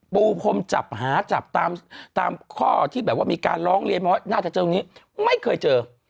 ปูพรมจับหาจับตามข้อที่แบบว่ามีการร้องเรียนว่าน่าจะเจอตรงนี้ไม่เคยเจอ